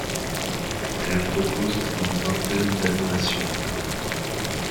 Elle propose plus d’une vingtaine d’animations.